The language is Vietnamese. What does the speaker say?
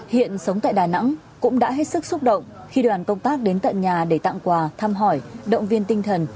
hiện sống tại đà nẵng cũng đã hết sức xúc động khi đoàn công tác đến tận nhà để tặng quà thăm hỏi động viên tinh thần